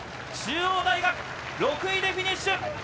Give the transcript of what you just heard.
中央大学、６位でフィニッシュ。